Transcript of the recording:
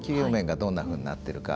どんなふうになっているか。